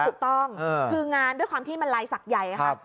ถูกต้องคืองานด้วยความที่มลายสักใหญ่ครับ